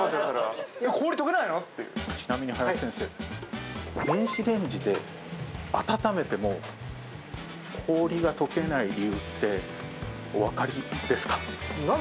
ちなみに林先生電子レンジで温めても氷が溶けない理由っておわかりですか？